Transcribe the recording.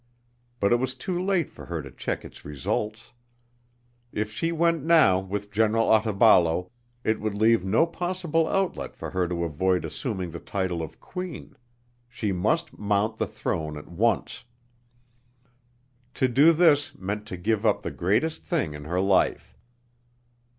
But it was too late for her to check its results. If she went now with General Otaballo, it would leave no possible outlet for her to avoid assuming the title of Queen; she must mount the throne at once. To do this meant to give up the greatest thing in her life.